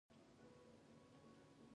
د نجونو تعلیم د کلیو او بانډو پرمختګ دی.